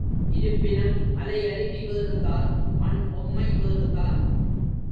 இருப்பினும் மலையருவி வேறுதான், மண்பொம்மை வேறுதான்.